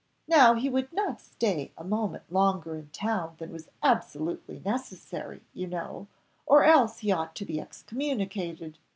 Now he would not stay a moment longer in town than was absolutely necessary, you know, or else he ought to be excommunicated.